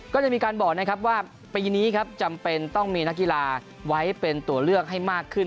ก็จะมีการบอกนะครับว่าปีนี้ครับจำเป็นต้องมีนักกีฬาไว้เป็นตัวเลือกให้มากขึ้น